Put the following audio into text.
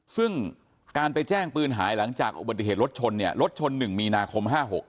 ซึ่งการไปแจ้งปืนหายหลังจากอุบัติเหตุรถชนเนี่ยรถชน๑มีนาคม๕๖